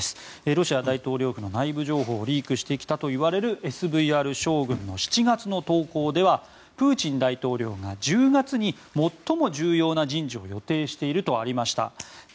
ロシア大統領府の内部情報をリークしてきたといわれるＳＶＲ将軍の７月の投稿ではプーチン大統領が１０月に最も重要な人事を予定しているとありました。